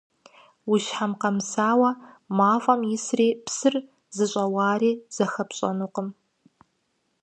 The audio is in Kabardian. Уи щхьэм къэмысауэ мафӀэм исри псыр зыщӀэуари зыхэпщӀэнукъым.